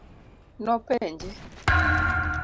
Nopenje.